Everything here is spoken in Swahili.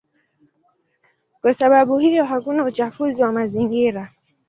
Kwa sababu hiyo hakuna uchafuzi wa mazingira.